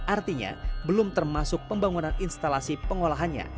artinya belum termasuk pembangunan instalasi pengolahannya